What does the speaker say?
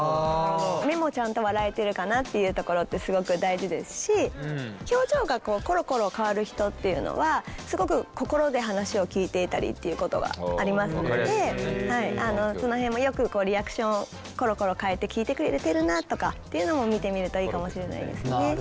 目もちゃんと笑えてるかなっていうところってすごく大事ですし表情がコロコロ変わる人っていうのはすごく心で話を聞いていたりっていうことがありますのでその辺もよくリアクションコロコロ変えて聞いてくれてるなとかっていうのも見てみるといいかもしれないですね。